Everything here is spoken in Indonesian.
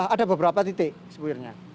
ada beberapa titik spuyernya